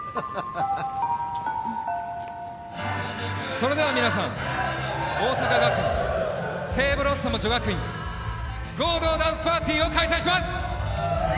それでは皆さん「桜咲学園聖ブロッサム女学院合同ダンスパーティー」を開催します！